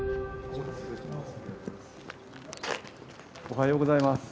おはようございます。